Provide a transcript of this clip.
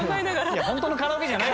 いや本当のカラオケじゃない。